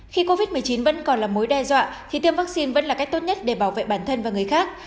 khi covid một mươi chín vẫn còn là mối đe dọa thì tiêm vaccine vẫn là cách tốt nhất để bảo vệ bản thân và người khác